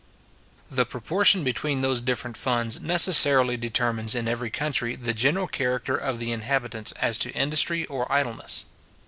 The proportion between those different funds necessarily determines in every country the general character of the inhabitants as to industry or idleness.